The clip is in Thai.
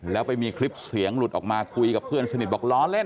แล้วไปมีคลิปเสียงหลุดออกมาคุยกับเพื่อนสนิทบอกล้อเล่น